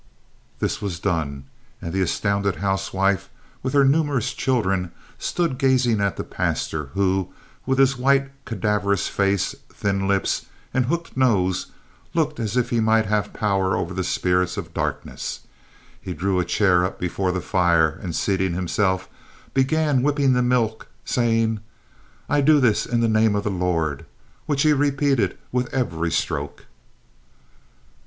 This was done, and the astounded housewife, with her numerous children, stood gazing at the pastor, who, with his white, cadaverous face, thin lips and hooked nose, looked as if he might have power over the spirits of darkness. He drew a chair up before the fire and, seating himself, began whipping the milk, saying: "I do this in the name of the Lord," which he repeated with every stroke. [Illustration: At every stroke he repeated, "I do this in the name of the Lord."